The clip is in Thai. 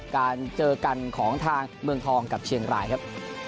การเจอกันของทางเมืองทองกับเชียงรายครับ